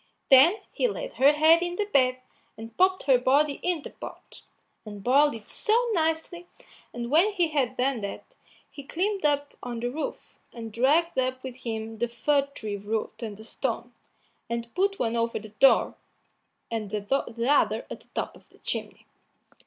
Then he laid her head in the bed, and popped her body into the pot, and boiled it so nicely; and when he had done that, he climbed up on the roof, and dragged up with him the fir tree root and the stone, and put one over the door, and the other at the top of the chimney.